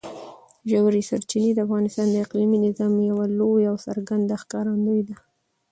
ژورې سرچینې د افغانستان د اقلیمي نظام یوه لویه او څرګنده ښکارندوی ده.